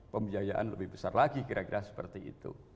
pembiayaan lebih besar lagi kira kira seperti itu